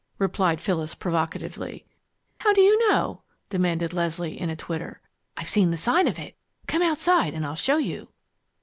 replied Phyllis, provocatively. "How do you know?" demanded Leslie, in a twitter. "I've seen the sign of it. Come outside and I'll show you!"